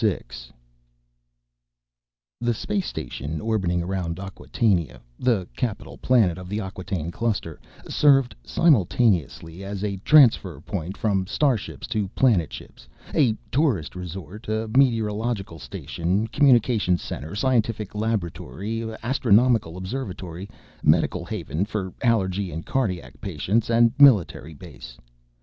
VI The space station orbiting around Acquatainia—the capital planet of the Acquataine Cluster—served simultaneously as a transfer point from starships to planetships, a tourist resort, meteorological station, communications center, scientific laboratory, astronomical observatory, medical haven for allergy and cardiac patients, and military base.